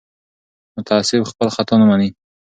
متعصب خپل خطا نه مني